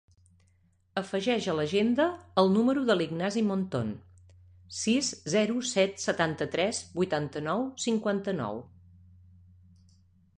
Afegeix a l'agenda el número de l'Ignasi Monton: sis, zero, set, setanta-tres, vuitanta-nou, cinquanta-nou.